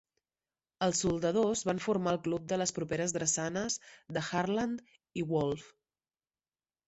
Els soldadors van formar el club de les properes drassanes de Harland i Wolff.